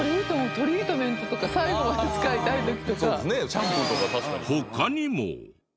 トリートメントとか最後まで使いたい時とか。